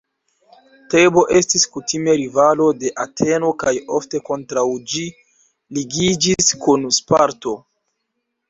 Tebo estis kutime rivalo de Ateno kaj ofte kontraŭ ĝi ligiĝis kun Sparto.